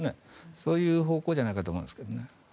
そういう方向じゃないかと思いますけどね。